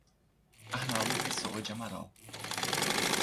Arnaldo Pessoa de Amaral